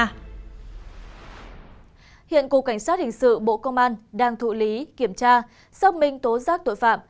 hiện cục cảnh sát hình sự bộ công an đang thụ lý kiểm tra xác minh tố giác tội phạm